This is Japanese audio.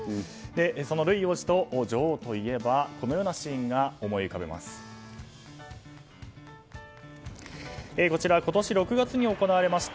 そのルイ王子と女王といえばこのようなシーンが思い浮かべられます。